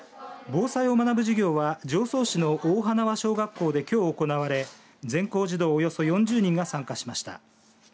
防災を学ぶ授業は常総市の大花羽小学校で、きょう行われ全校児童およそ４０人が参加しました。